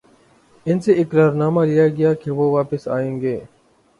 ان سے اقرار نامہ لیا گیا کہ وہ واپس آئیں گے۔